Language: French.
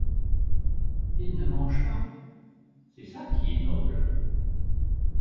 Ils ne mangent pas ; c’est ça qui est noble.